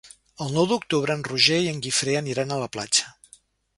El nou d'octubre en Roger i en Guifré aniran a la platja.